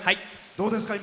どうですか？